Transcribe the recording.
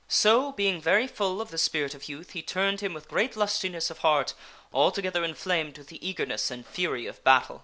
So, being very full of the spirit of youth, he turned him with great lustiness of heart, altogether inflamed with the eagerness and fury ot battle.